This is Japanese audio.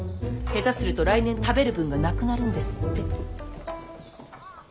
下手すると来年食べる分がなくなるんですって。